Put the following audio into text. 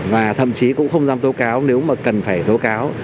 và thậm chí cũng không dám tố cáo nếu mà cần phải tố cáo